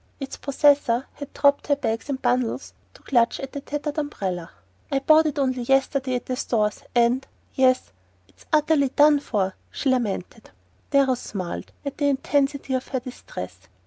Its possessor had dropped her bag and bundles to clutch at the tattered umbrella. "I bought it only yesterday at the Stores; and yes it's utterly done for!" she lamented. Darrow smiled at the intensity of her distress.